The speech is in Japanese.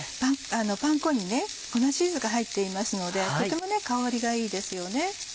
パン粉に粉チーズが入っていますのでとても香りがいいですよね。